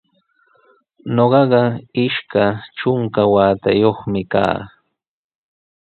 Ñuqaqa ishka trunka watayuqmi kaa.